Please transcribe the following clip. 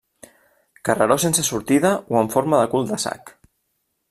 Carreró sense sortida o en forma de cul de sac.